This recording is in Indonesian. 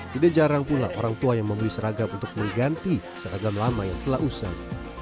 tidak jarang pula orang tua yang membeli seragam untuk mengganti seragam lama yang telah usang